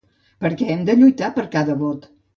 Perquè hem de lluitar per cada vot.